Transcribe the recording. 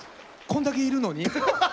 こんだけいるのに？